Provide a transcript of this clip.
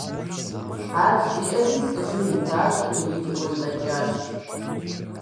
Ар жиӀэри, лӀыжьым и пащӀэр ириӀуэнтӀэкӀащ.